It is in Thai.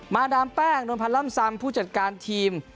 มาดามแป้งโดนพันล่ำซัมผู้จัดการทีม